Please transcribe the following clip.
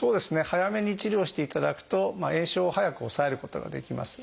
早めに治療していただくと炎症を早く抑えることができます。